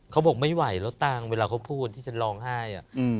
เขาบอกไม่ไหวแล้วตังค์เวลาเขาพูดที่ฉันร้องไห้